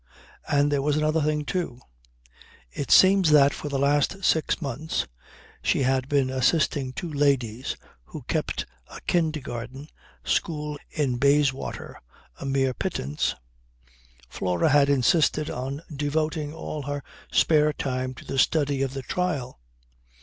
And there was another thing, too. It seems that for the last six months (she had been assisting two ladies who kept a kindergarten school in Bayswater a mere pittance), Flora had insisted on devoting all her spare time to the study of the trial.